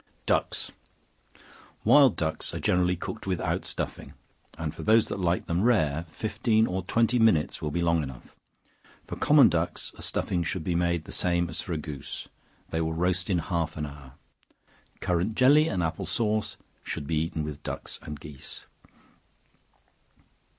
Ducks. Wild ducks are generally cooked without stuffing, and for those that like them rare, fifteen or twenty minutes will be long enough; for common ducks, a stuffing should be made the same as for a goose; they will roast in half an hour. Currant jelly and apple sauce should be eaten with ducks and geese.